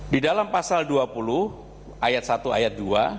di dalam pasal dua puluh ayat satu ayat dua